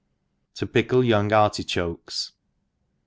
^^ fickle young Artichokes.